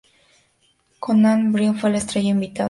Conan O'Brien fue la estrella invitada.